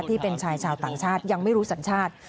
ที่เป็นชายชาวต่างชาติยังไม่รู้สัญชาติ